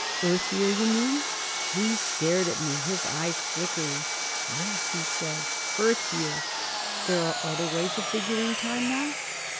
"Earth year, you mean?" He stared at me, his eyes flickering. "Yes," he said. "Earth year. There are other ways of ... figuring time now?"